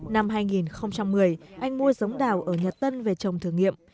năm hai nghìn một mươi anh mua giống đào ở nhật tân về trồng thử nghiệm